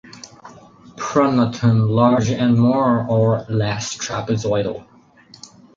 Pronotum large and more or less trapezoidal.